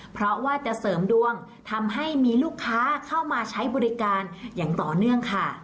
เพราะว่าจะเสริมดวงทำให้มีลูกค้าเข้ามาใช้บริการอย่างต่อเนื่องค่ะ